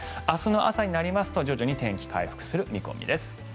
明日の朝になりますと徐々に天気は回復する見込みです。